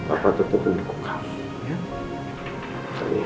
apa tetap menunggu kami